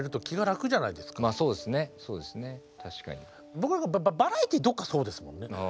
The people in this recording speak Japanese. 僕なんかバラエティーどっかそうですもんね。